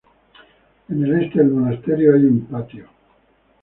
En el este del monasterio hay un patio.